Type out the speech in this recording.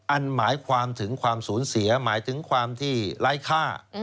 อันหมายความถึงความสูญเสียหมายถึงความที่ไร้ค่า